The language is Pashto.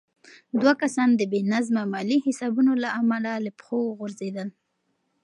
دوه کسان د بې نظمه مالي حسابونو له امله له پښو وغورځېدل.